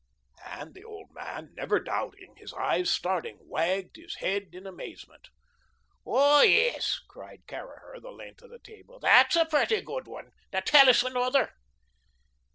And the old man, never doubting, his eyes starting, wagged his head in amazement. "Oh, yes," cried Caraher, the length of the table, "that's a pretty good one. Tell us another."